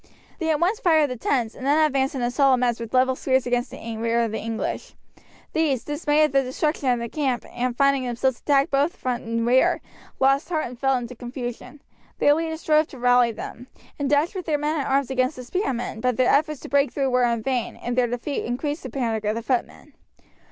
They at once fired the tents, and then advanced in a solid mass with level spears against the rear of the English. These, dismayed at the destruction of their camp, and at finding themselves attacked both front and rear, lost heart and fell into confusion. Their leaders strove to rally them, and dashed with their men at arms against the spearmen, but their efforts to break through were in vain, and their defeat increased the panic of the footmen.